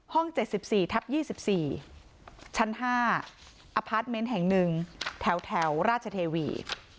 ห้อง๗๔ทับ๒๔ชั้น๕อาพาร์ทเม้นท์แห่ง๑แถวราชเทวี